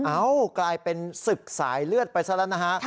กลายเป็นศึกสายเลือดไปซะแล้วนะฮะ